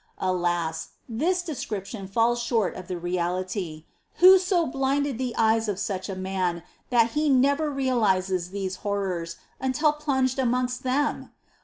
8. Alas, this description falls short of the reality ! Who so blinded the eyes of such a .man that he never realises these horrors, until plunged amongst them